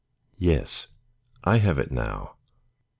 Yes, I have it now."